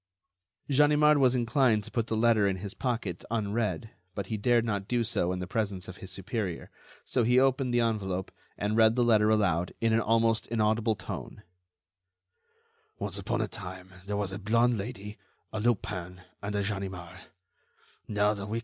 Ganimard was inclined to put the letter in his pocket unread, but he dared not do so in the presence of his superior, so he opened the envelope and read the letter aloud, in an almost inaudible tone: "Once upon a time, there were a blonde Lady, a Lupin, and a Ganimard.